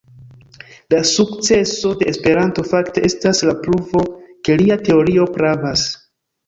La sukceso de Esperanto fakte estas la pruvo, ke lia teorio pravas.